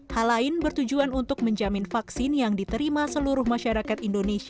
hal lain bertujuan untuk menjamin vaksin yang diterima seluruh masyarakat indonesia